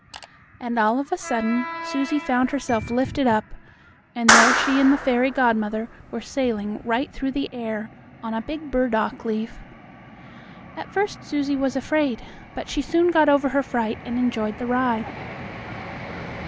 and, all of a sudden, Susie found herself lifted up, and there she and the fairy godmother were sailing right through the air on a big burdock leaf. At first Susie was afraid, but she soon got over her fright and enjoyed the ride.